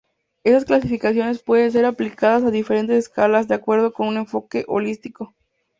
Estas clasificaciones pueden ser aplicadas a diferentes escalas de acuerdo con un enfoque holístico.